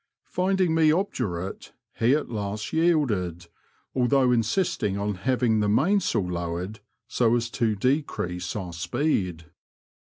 *' Finding me obdurate, he at last yielded, although insisting on having the mainsail lowered so as to decrease our speed.